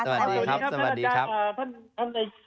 สวัสดีครับสวัสดีครับ